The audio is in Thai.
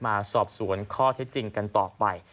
มาสอบสวนข้อเท็จจริงกันต่อไป